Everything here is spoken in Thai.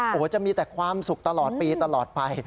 โอ้โหจะมีแต่ความสุขตลอดปีตลอดไป